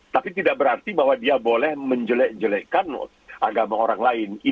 tapi tidak berarti bahwa dia boleh menjelek jelekkan agama orang lain